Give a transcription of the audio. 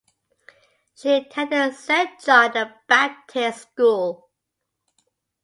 She attended St John the Baptist School.